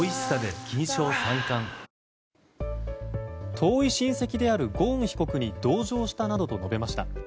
遠い親戚であるゴーン被告に同情したなどと述べました。